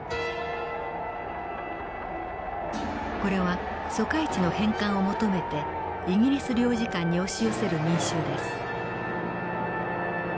これは租界地の返還を求めてイギリス領事館に押し寄せる民衆です。